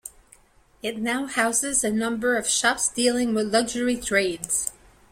It now houses a number of shops dealing with luxury trades.